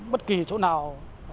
bất kỳ chỗ nào